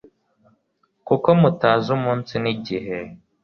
kuko mutazi umunsi nigihe